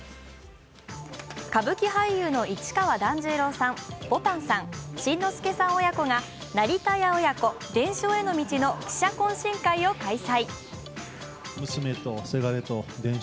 歌舞伎俳優の市川團十郎さん、ぼたんさん、新之助さん親子が成田屋親子「伝承への道」の記者懇親会を開催。